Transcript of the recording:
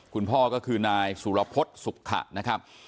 คุณพ่อก็คือนายสุรพฤษสุขะนะครับ